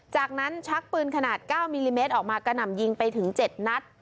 จากนั้นชักปืนขนาด๙มิลลิเมตรออกมากระหน่ำยิงไปถึง๗นัด